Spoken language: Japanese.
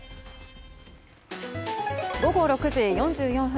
午後６時４４分。